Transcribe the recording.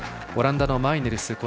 オランダのマイネルス。